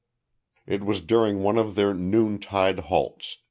It was during one of their noontide halts.